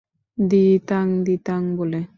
ধিতাং ধিতাং বলে!